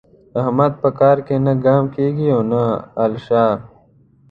احمد په کار کې نه ګام کېږي او نه الشه.